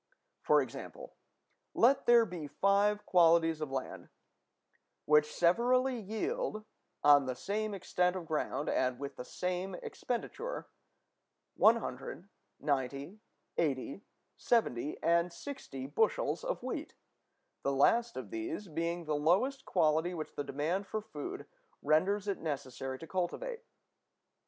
For example, let there be five qualities of land, which severally yield, on the same extent of ground and with the same expenditure, 100, 90, 80, 70, and 60 bushels of wheat, the last of these being the lowest quality which the demand for food renders it necessary to cultivate.